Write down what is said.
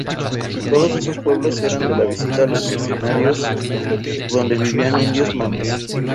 Todos esos pueblos eran de la visita a los mercedarios donde vivían indios mames.